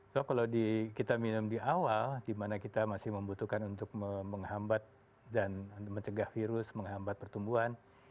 so kalau kita minum di awal dimana kita masih membutuhkan untuk menghambat dan mencegah virus menghambat pertumbuhan